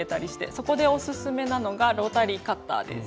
そこでオススメなのがロータリーカッターです。